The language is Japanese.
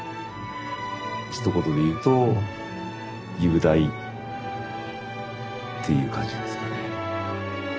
ひと言で言うと雄大っていう感じですかね。